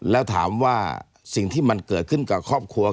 แล้วถามว่าสิ่งที่มันเกิดขึ้นกับครอบครัว